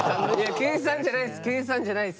計算じゃないです